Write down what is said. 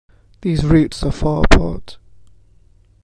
These roots are far apart.